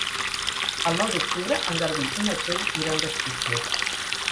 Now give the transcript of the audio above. El nou d'octubre en Garbí i na Txell iran d'excursió.